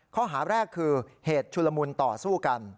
ข้อหาแรกคือเหตุชุลมุนต่อสู้กัน